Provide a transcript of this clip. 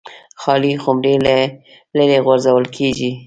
خالي خُمرې لرې غورځول کېدې.